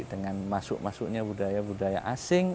dengan masuk masuknya budaya budaya asing